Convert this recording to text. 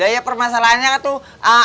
ya permasalahannya tuh